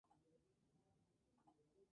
Las ramillas cubiertas de pelos grises.